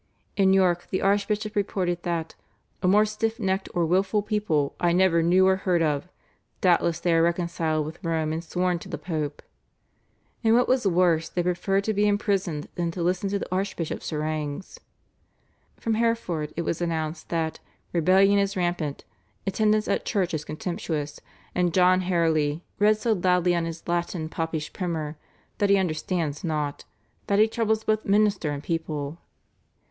In York the archbishop reported that "a more stiff necked or wilful people I never knew or heard of, doubtless they are reconciled with Rome and sworn to the Pope," and what was worse they preferred to be imprisoned than to listen to the archbishop's harangues. From Hereford it was announced that "rebellion is rampant, attendance at church is contemptuous, and John Hareley read so loudly on his latin popish primer (that he understands not) that he troubles both minister and people."